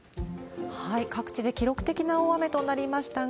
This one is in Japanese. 各地で記録的な大雨となりましたが、